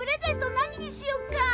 何にしよっか？